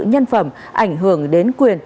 nhân phẩm ảnh hưởng đến quyền